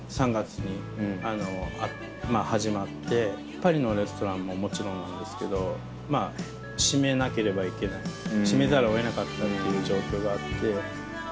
パリのレストランももちろんなんですけど閉めなければいけない閉めざるを得なかったっていう状況があって。